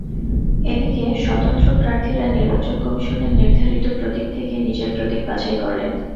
এদিকে স্বতন্ত্র প্রার্থীরা নির্বাচন কমিশনের নির্ধারিত প্রতীক থেকে নিজের প্রতীক বাছাই করেন।